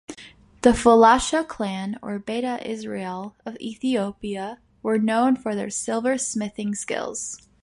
The Falasha Clan, or Beta Israel, of Ethiopia were known for their silversmithing skills.